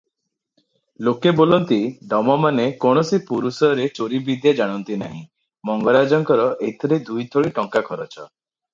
ଲୋକେ ବୋଲନ୍ତି, ଡମମାନେ କୌଣସି ପୁରୁଷରେ ଚୋରିବିଦ୍ୟା ଜାଣନ୍ତି ନାହିଁ, ମଙ୍ଗରାଜଙ୍କର ଏଥିରେ ଦୁଇଥଳୀ ଟଙ୍କା ଖରଚ ।